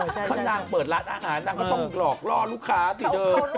เท่านั้นเปิดร้านอาหารนั่งก็ต้องหลอกรอลูกค้าสิเดิม